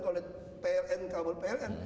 kalau lihat pln kabel pln